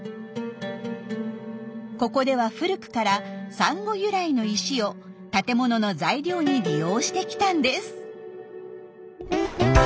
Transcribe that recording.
ここでは古くからサンゴ由来の石を建物の材料に利用してきたんです。